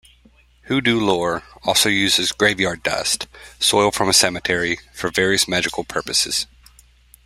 Hoodoo lore also uses graveyard dust, soil from a cemetery, for various magical purposes.